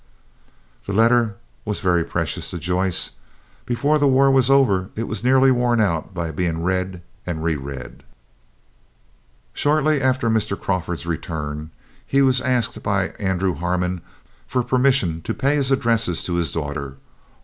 That letter was very precious to Joyce. Before the war was over it was nearly worn out by being read and reread. Shortly after Mr. Crawford's return he was asked by Andrew Harmon for permission to pay his addresses to his daughter.